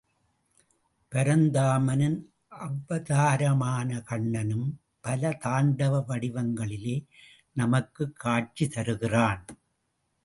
பரந்தாமனின் அவதாரமான கண்ணனும் பல தாண்டவ வடிவங்களிலே நமக்கு காட்சி தருகிறான்.